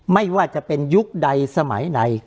ไม่ว่าจะเป็นยุคใดสมัยใด